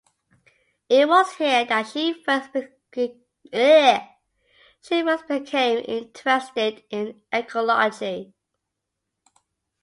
It was here that she first became interested in ecology.